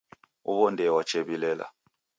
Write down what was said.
Uwo ndee wachew'ilela